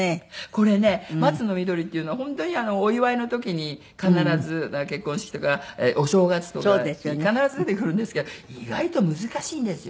これね『松の緑』っていうのは本当にお祝いの時に必ず結婚式とかお正月とかに必ず出てくるんですけど意外と難しいんですよ。